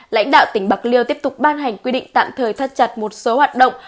lãnh đạo tỉnh bạc liêu tiếp tục ban hành quy định tạm thời thắt chặt một số hoạt động